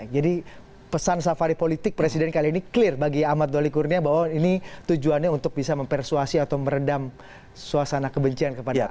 jadi pesan safari politik presiden kali ini clear bagi ahmad doli kurnia bahwa ini tujuannya untuk bisa mempersuasi atau meredam suasana kebencian kepada ahok